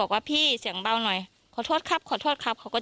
เค้าพูดภาษาไทยได้เลย